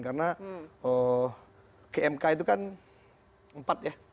karena kmk itu kan empat ya